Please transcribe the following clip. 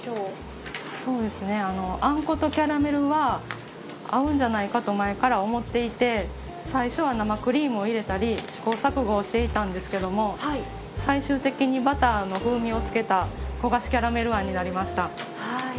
あんことキャラメルは合うんじゃないかと前から思っていて最初は生クリームを入れたり試行錯誤をしていたんですけども最終的にバターの風味をつけた焦がしキャラメル餡になりました。